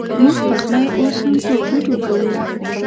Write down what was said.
مونږ پخلی اوس هم په بوټو کوو